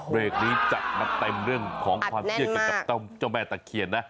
เบรกนี้จัดมาเต็มเรื่องของความเชื่อกันกับเจ้าแม่ตะเคียนนะ